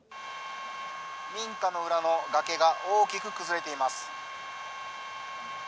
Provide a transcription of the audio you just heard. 民家の裏の崖が大きく崩れています。